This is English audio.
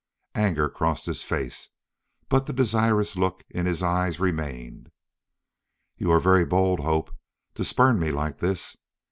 Anger crossed his face, but the desirous look in his eyes remained. "You are very bold, Hope, to spurn me like this."